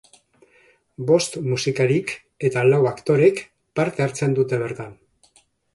Bost musikarik eta lau aktorek parte hartzen dute bertan.